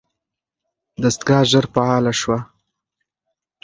دستګاه ژر فعاله شوه.